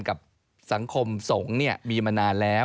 กับสังคมสงฆ์มีมานานแล้ว